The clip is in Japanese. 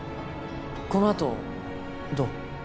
このあとどう？